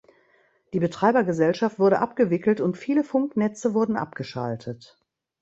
Die Betreibergesellschaft wurde abgewickelt und viele Funknetze wurden abgeschaltet.